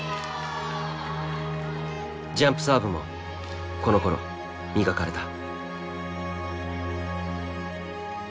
ジャンプサーブもこのころ磨かれた。